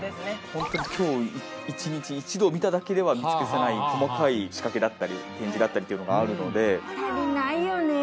本当に今日１日１度見ただけでは見尽くせない細かい仕掛けだったり展示だったりっていうのが足りないよね